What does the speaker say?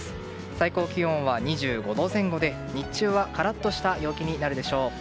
最高気温は２５度前後で日中はカラッとした陽気になるでしょう。